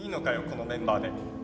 このメンバーで。